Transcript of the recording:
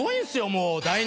もう。